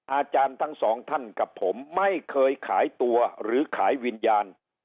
อาจารย์ทั้งสองท่านกับผมไม่เคยขายตัวหรือขายวิญญาณ